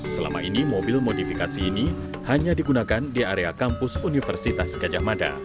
selama ini mobil modifikasi ini hanya digunakan di area kampus universitas gajah mada